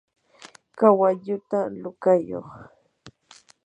kawalluta luqakuy.